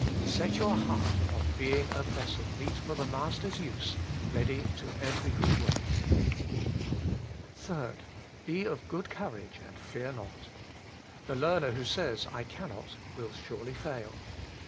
Set your heart upon being a vessel meet for the Master's use, ready to every good work. 3. Be of good courage, and fear not. The learner who says I cannot, will surely fail.